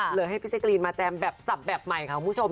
เหลือให้พี่แจ๊กรีนมาแจมแบบสับแบบใหม่ค่ะคุณผู้ชม